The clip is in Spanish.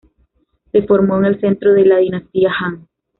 Se formó en el centro de la dinastía Han.